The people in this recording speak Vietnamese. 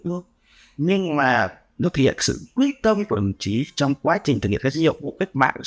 nhưng mà nó thể hiện sự quyết tâm của đồng chí trong quá trình thực hiện các nhiệm vụ cách mạng